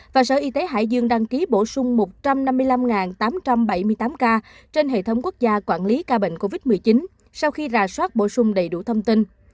và sở y tế hải dương đăng ký bổ sung một trăm năm mươi năm tám trăm bảy mươi tám ca trên hệ thống quốc gia quản lý ca bệnh covid một mươi chín sau khi rà soát bổ sung đầy đủ thông tin